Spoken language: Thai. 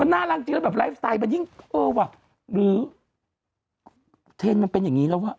น่ารักจริงแล้วแบบไลฟ์สไตล์มันยิ่งเออว่ะหรือเทรนด์มันเป็นอย่างนี้แล้วว่ะ